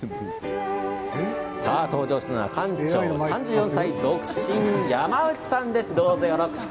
登場しましたのは館長の３４歳独身、山内さんです。